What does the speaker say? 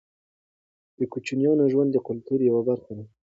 د کوچیانو ژوند د کلتور یوه برخه ده.